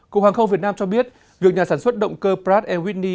cục hàng không việt nam cho biết việc nhà sản xuất động cơ pratt whitney